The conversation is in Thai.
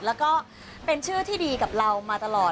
แล้วก็เป็นชื่อที่ดีกับเรามาตลอด